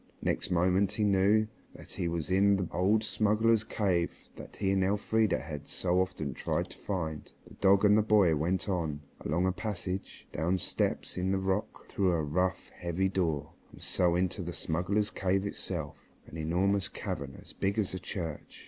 Next moment he knew that he was in the old smugglers' cave that he and Elfrida had so often tried to find. The dog and the boy went on, along a passage, down steps cut in the rock, through a rough, heavy door, and so into the smugglers' cave itself, an enormous cavern as big as a church.